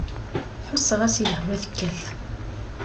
Ḥusseɣ-as i lehwa tekkat.